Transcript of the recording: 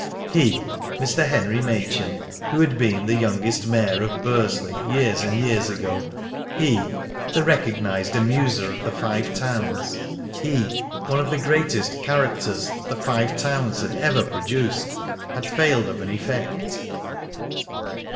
He, Henry Machin, who had been the youngest mayor of Bursley years and years ago; he, the recognised amuser of the Five Towns; he, one of the greatest "characters" that the Five Towns had ever produced he had failed of an effect!